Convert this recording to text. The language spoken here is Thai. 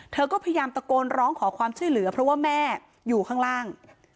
เธอก็พยายามตะโกนร้องขอความช่วยเหลือเพราะว่าแม่อยู่ข้างล่าง